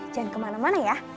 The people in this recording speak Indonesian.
jangan kemana mana ya